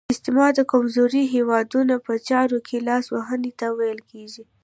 استعمار د کمزورو هیوادونو په چارو کې لاس وهنې ته ویل کیږي.